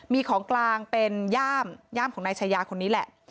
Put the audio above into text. มีของกลางเป็นย่ามของนายชายาคนนี้แหละ